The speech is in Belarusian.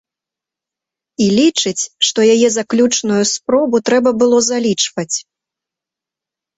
І лічыць, што яе заключную спробу трэба было залічваць.